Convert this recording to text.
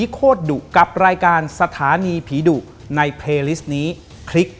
ขอบพระคุณนะครับ